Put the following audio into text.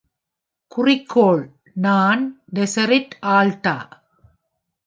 குறிக்கோள்: "நான் டெசரிட் ஆல்டா".